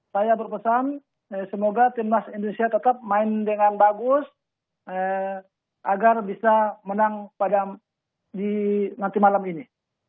saya berpesan semoga timnas indonesia tetap main dengan bagus agar bisa menang di nanti malam ini